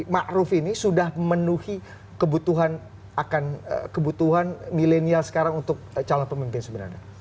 ma'ruf ini sudah memenuhi kebutuhan milenial sekarang untuk calon pemimpin sebenarnya